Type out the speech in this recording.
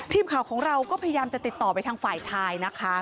ทีมข่าวของเราก็พยายามจะติดต่อไปทางฝ่ายชายนะคะ